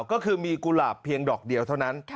ก็คือมีกุหลาบเพียงดอกเดียวเท่านั้น